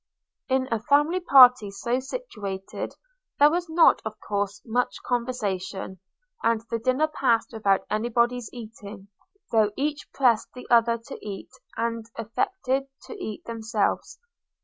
In a family party so situated, there was not, of course, much conversation, and the dinner passed without any body's eating, though each pressed the other to eat, and affected to eat themselves.